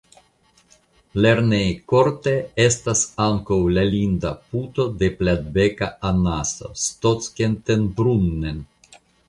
Lernejkorte estas ankaŭ la linda Puto de platbeka anaso (Stockentenbrunnen).